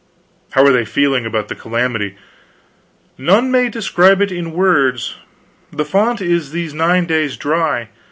"How are they feeling about the calamity?" "None may describe it in words. The fount is these nine days dry.